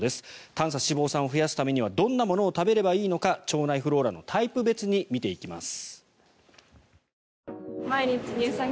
短鎖脂肪酸を増やすためにはどんなものを食べればいいのか腸内フローラのタイプ別に見ていきます。